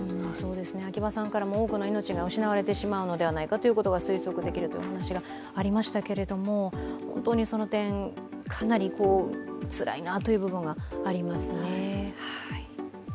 秋場さんからも多くの命が失われてしまうんではないかというお話がありましたけれども、本当にその点、かなりつらいなという部分がありますね。